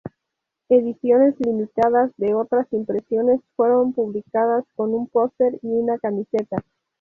Ediciones limitadas de otras impresiones fueron publicadas con un póster y una camiseta.